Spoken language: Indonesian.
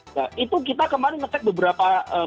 nah itu kita kemarin ngecek beberapa